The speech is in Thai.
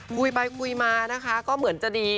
คุยไปคุยมานะคะก็เหมือนจะดี